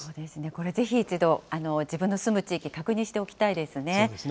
これ、ぜひ一度、自分の住む地域、確認しておきたいですね。